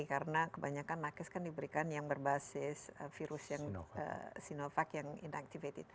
karena kebanyakan nakes kan diberikan yang berbasis virus yang sinovac yang inactivated